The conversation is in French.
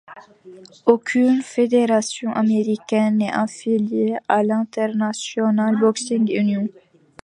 Aucune fédération américaine n'est affiliée a l'International Boxing Union.